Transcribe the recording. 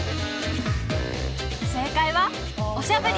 正解は「おしゃぶり」